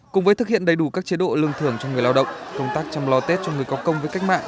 cùng với thực hiện đầy đủ các chế độ lương thưởng cho người lao động công tác chăm lo tết cho người có công với cách mạng